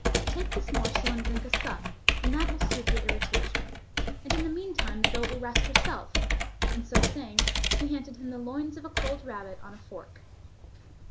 Take this morsel and drink a sup, and that will soothe your irritation, and in the meantime the goat will rest herself," and so saying, he handed him the loins of a cold rabbit on a fork.